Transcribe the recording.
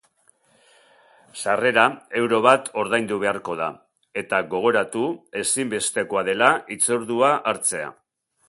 Sarrera euro bat ordaindu beharko da eta gogoratu ezinbestekoa dela hitzordua hartzea!